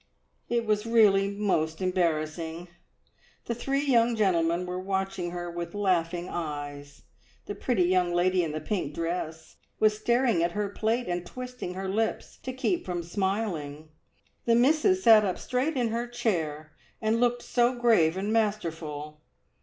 It was really most embarrassing. The three young gentlemen were watching her with laughing eyes, the pretty young lady in the pink dress was staring at her plate and twisting her lips to keep from smiling, the Missis sat up straight in her chair and looked so grave and masterful.